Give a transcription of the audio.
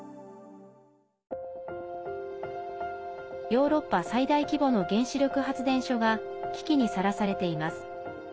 ヨーロッパ最大規模の原子力発電所が危機にさらされています。